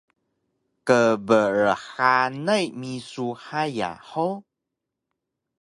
kbrxanay misu haya hug?